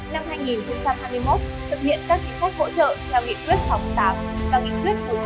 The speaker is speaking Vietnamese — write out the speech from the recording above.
năm hai nghìn hai mươi một thực hiện các chỉ phút hỗ trợ theo nghị quyết tám và nghị quyết một trăm một mươi sáu